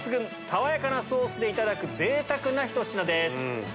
爽やかなソースでいただく贅沢なひと品です。